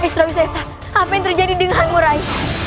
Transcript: esra wisesa apa yang terjadi denganmu rai